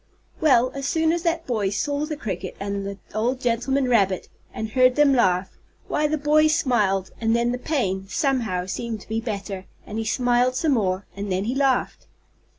Well, as soon as that boy saw the cricket and the old gentleman rabbit, and heard them laugh, why the boy smiled, and then the pain, somehow, seemed to be better, and he smiled some more, and then he laughed.